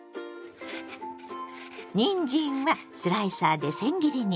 にんじんはスライサーでせん切りにします。